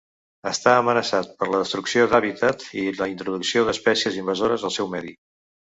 Està amenaçat per la destrucció d'hàbitat i la introducció d'espècies invasores al seu medi.